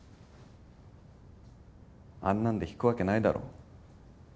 あんなんで引くわけないだろ。